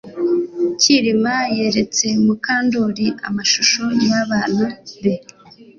Kirima yeretse Mukandoli amashusho yabana be